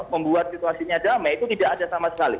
membuat situasinya damai itu tidak ada sama sekali